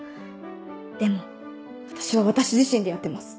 でも私は私自身でやってます